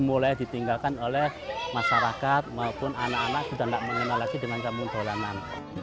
mulai ditinggalkan oleh masyarakat maupun anak anak sudah tidak mengenalasi dengan kampung dolanan